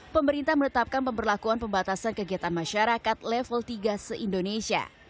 pemerintah menetapkan pemberlakuan pembatasan kegiatan masyarakat level tiga se indonesia